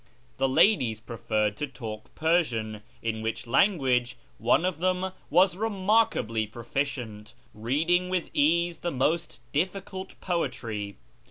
The ladies preferred to talk Persian, in which language one of them was remarkably proficient, reading with ease the most difficult poetry.